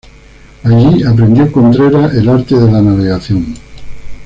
Allí aprendió Contreras el arte de la navegación.